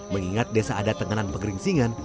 mengingat desa ada tenganan pengeringsingan